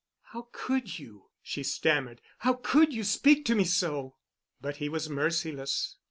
"How could you?" she stammered. "How could you speak to me so?" But he was merciless.